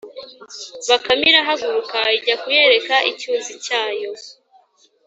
” Bakame irahaguruka ijya kuyereka icyuzi cyayo